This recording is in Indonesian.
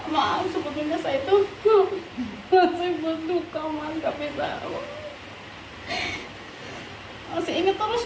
maaf sebetulnya saya tuh